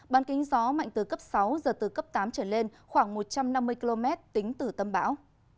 ban kính gió mạnh từ cấp sáu giật từ cấp tám trở lên khoảng một trăm năm mươi km tính từ tâm bão